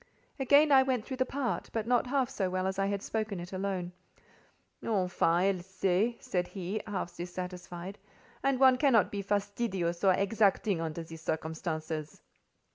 Again I went through the part, but not half so well as I had spoken it alone. "Enfin, elle sait," said he, half dissatisfied, "and one cannot be fastidious or exacting under the circumstances."